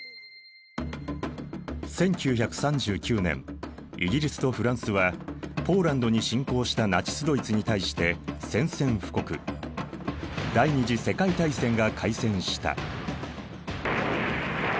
１９３９年イギリスとフランスはポーランドに侵攻したナチスドイツに対して宣戦布告第二次世界大戦が開戦した。